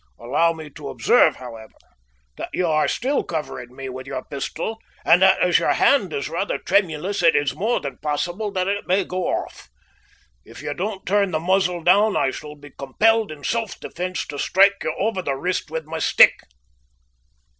Allow me to observe, however, that you are still covering me with your pistol, and that, as your hand is rather tremulous, it is more than possible that it may go off. If you don't turn the muzzle down I shall be compelled in self defence to strike you over the wrist with my stick."